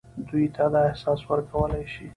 دوی ته دا احساس ورکولای شي.